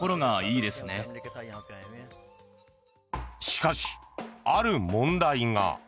しかし、ある問題が。